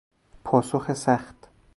پاسخ سخت